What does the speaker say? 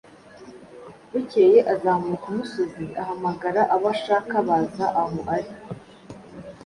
Bukeye azamuka umusozi, ahamagara abo ashaka, baza aho ari.